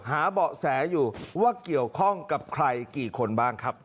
เบาะแสอยู่ว่าเกี่ยวข้องกับใครกี่คนบ้างครับ